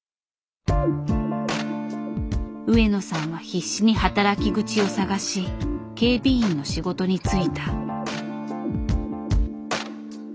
上野さんは必死に働き口を探し警備員の仕事に就いた。